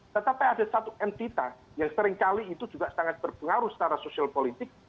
tetapi ada satu entita yang seringkali itu juga sangat berpengaruh secara sosial politik